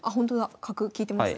角利いてますね。